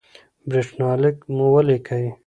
برېښنالک مو ولیکئ